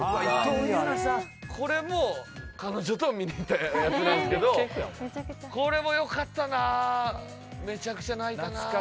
これも彼女と見に行ったやつなんすけどこれもよかったなめちゃくちゃ泣いたな。